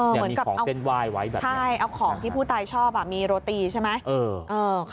เหมือนกับเอาใช่เอาของที่ผู้ตายชอบมีโรตีใช่ไหมข้าวนะครับ